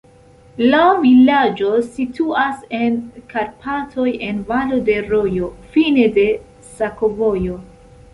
La vilaĝo situas en Karpatoj en valo de rojo, fine de sakovojo.